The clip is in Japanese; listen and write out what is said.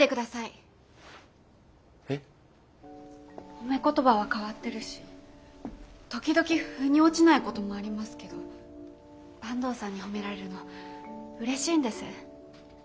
褒め言葉は変わってるし時々腑に落ちないこともありますけど坂東さんに褒められるのうれしいんです。